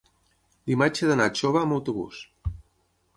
Dimarts he d'anar a Xóvar amb autobús.